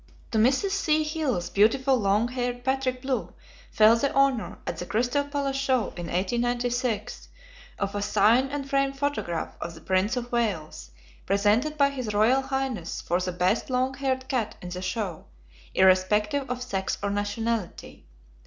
To Mrs. C. Hill's beautiful long haired Patrick Blue fell the honor, at the Crystal Palace Show in 1896, of a signed and framed photograph of the Prince of Wales, presented by his Royal Highness for the best long haired cat in the show, irrespective of sex or nationality.